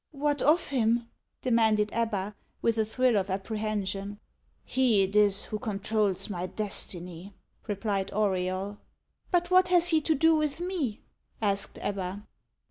"What of him?" demanded Ebba, with a thrill of apprehension. "He it is who controls my destiny," replied Auriol. "But what has he to do with me?" asked Ebba.